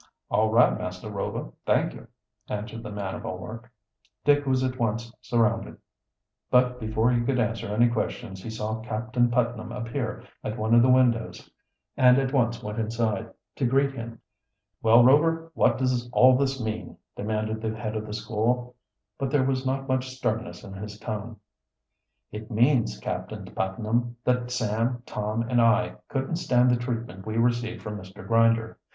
"All right Master Rover; thank you," answered the man of all work. Dick was at once surrounded, but before he could answer any questions he saw Captain Putnam appear at one of the windows and at once went inside to greet him. "Well, Rover, what does all this mean?" demanded the head of the school, but there was not much sternness in his tone. "It means Captain Putnam, that Sam, Tom, and I couldn't stand the treatment we received from Mr. Grinder.